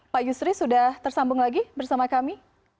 pak yusri sudah tersambung lagi bersama kami